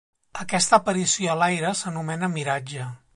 Aquesta aparició a l'aire s'anomena miratge.